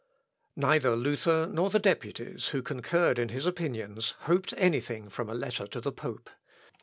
Neither Luther nor the deputies, who concurred in his opinions, hoped any thing from a letter to the pope.